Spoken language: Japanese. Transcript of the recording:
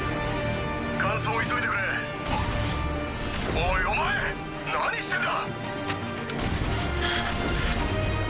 おいお前何してんだ！